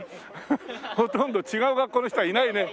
ほとんど違う学校の人はいないね。